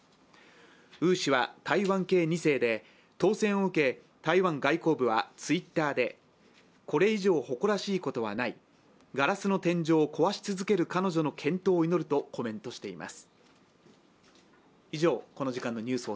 ウー氏は台湾系２世で、当選を受け台湾外交部はＴｗｉｔｔｅｒで、これ以上誇らしいことはないガラスの天井を壊し続ける彼女の健闘を祈るとコメントしています。